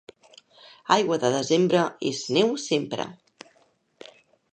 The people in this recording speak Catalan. Aigua de desembre és neu sempre.